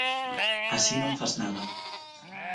Así non fas nada.